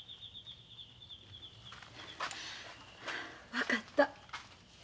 分かった。